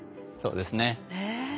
そうですね。